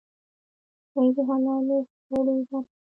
هګۍ د حلالو خوړو برخه ده.